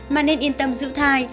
mà nên yên tâm giữ thai